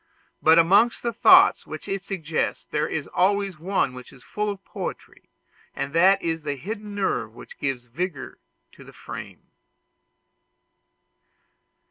But amongst the thoughts which it suggests there is always one which is full of poetry, and that is the hidden nerve which gives vigor to the frame.